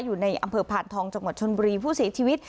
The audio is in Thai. อยู่ในอำเภอผ่านทองจังหวัดชนบุรีผู้เสียชีวิต